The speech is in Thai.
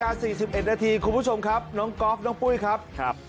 ๔๑นาทีคุณผู้ชมครับน้องก๊อฟน้องปุ้ยครับ